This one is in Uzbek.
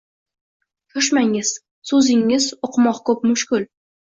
Shoshmangiz, so’zingiz uqmoq ko’p mushkul